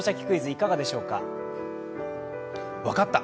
クイズ」、いかがでしょうか。